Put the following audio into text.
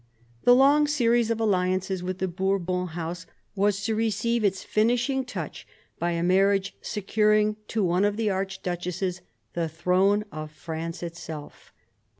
The' long series of alliances with the Bourbon House was to receive its finishing touch by a marriage securing to one of the archduchesses the throne of France itself.